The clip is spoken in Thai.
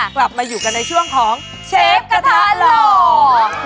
กลับมาอยู่กันในช่วงของเชฟกระทะหล่อ